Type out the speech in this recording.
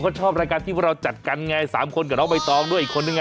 บอกว่าชอบรายการที่เราจัดกันไงสามคนกับน้องใบตองด้วยอีกคนนึง